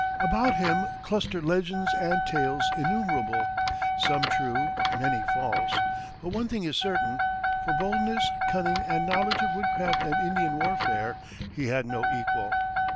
About him cluster legends and tales innumerable, some true, many false; but one thing is certain; for boldness, cunning and knowledge of woodcraft and Indian warfare he had no equal.